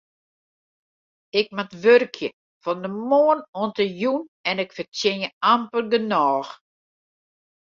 Ik moat wurkje fan de moarn oant de jûn en ik fertsjinje amper genôch.